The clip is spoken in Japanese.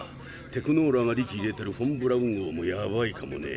テクノーラが力入れてるフォン・ブラウン号もやばいかもね。